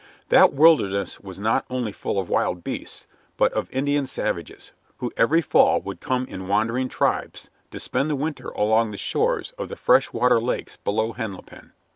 That wilderness was not only full of wild beasts, but of Indian savages, who every fall would come in wandering tribes to spend the winter along the shores of the fresh water lakes below Henlopen.